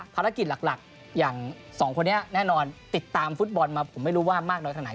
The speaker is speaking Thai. ภารกิจหลักอย่างสองคนนี้แน่นอนติดตามฟุตบอลมาผมไม่รู้ว่ามากน้อยขนาดไหน